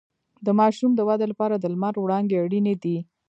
د ماشوم د ودې لپاره د لمر وړانګې اړینې دي